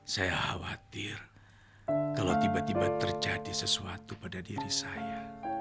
saya khawatir kalau tiba tiba terjadi sesuatu pada diri saya